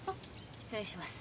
失礼します。